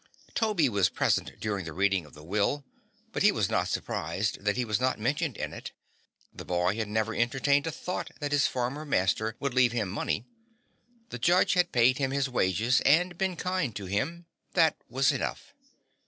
Toby was present during the reading of the will, but he was not surprised that he was not mentioned in it. The boy had never entertained a thought that his former master would leave him money. The judge had paid him his wages and been kind to him; that was enough.